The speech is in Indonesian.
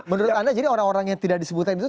menurut anda jadi orang orang yang tidak disebutkan itu